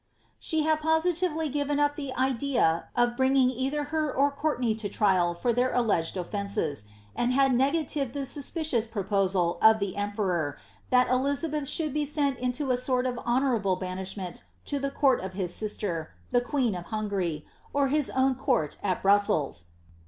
* She had positively given up the idea of bringing either her or Courte Dsy to trial for their alleged oflences, and had negatived the suspicions propci^al of the emperor that Elizabeth should be sent into a sort of honourable banishment to the couft of his sister, the queen of Hungary, or his own court at Brussels.